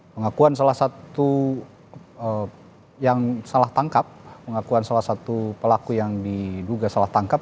pengakuan salah satu yang salah tangkap pengakuan salah satu pelaku yang diduga salah tangkap